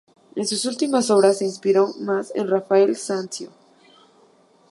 En sus últimas obras se inspiró más en Rafael Sanzio.